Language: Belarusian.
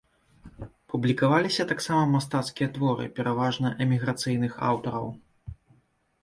Публікаваліся таксама мастацкія творы, пераважна эміграцыйных аўтараў.